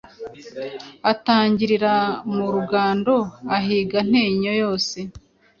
Atangirira mu Rugondo, ahinga Ntenyo yose,